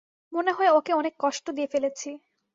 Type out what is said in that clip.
মনে হয় ওকে অনেক কষ্ট দিয়ে ফেলেছি।